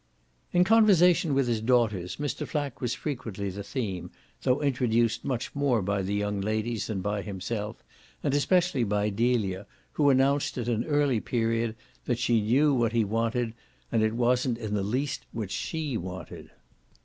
In conversation with his daughters Mr. Flack was frequently the theme, though introduced much more by the young ladies than by himself, and especially by Delia, who announced at an early period that she knew what he wanted and that it wasn't in the least what SHE wanted.